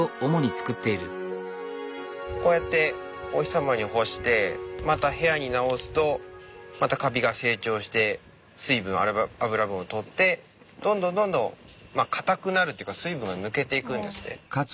こうやってお日様に干してまた部屋になおすとまたかびが成長して水分脂分をとってどんどんかたくなるというか水分が抜けていくんですね。